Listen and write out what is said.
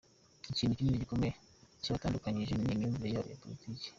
Ikintu kinini gikomeye kibatandukanyije ni imyumvire yabo ya politiki.